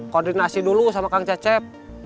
koordinasi dulu sama kang cecep